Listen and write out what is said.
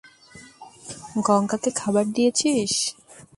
গঙ্গাকে খাবার দিয়েছিস?